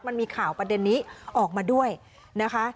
มันมีข่าวประเด็นนี้ออกมาด้วยนะคะ